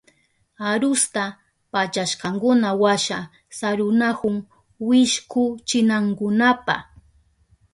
Arusta pallashkankunawasha sarunahun wishkuchinankunapa.